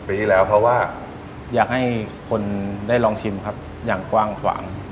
ปีที่แล้วเพราะว่าอยากให้คนได้ลองชิมครับอย่างกว้างขวาง